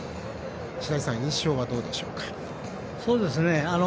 白井さん、印象はどうでしょうか。